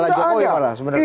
pak jokowi apa lah sebenarnya